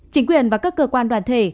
chính quyền và các cơ quan đoàn thể